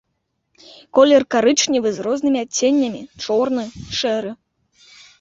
Колер карычневы з рознымі адценнямі, чорны, шэры.